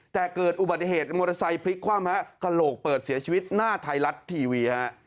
แต่เกิดอุบัติเหตุมอเตอร์ไซค์พลิกคว่ำฮะกระโหลกเปิดเสียชีวิตหน้าไทยรัฐทีวีฮะ